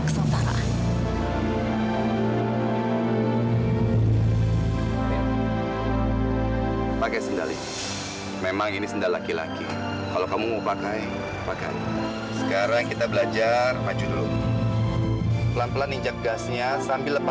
sampai jumpa di video selanjutnya